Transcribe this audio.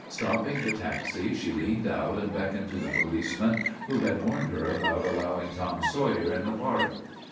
Stopping the taxi she leaned out and beckoned to the policeman who had warned her about allowing Tom Sawyer in the Park.